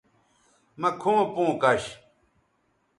مہ کھوں پوں کش